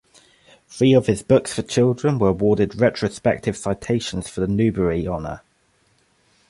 Three of his books for children were awarded retrospective citations for the Newbery Honor.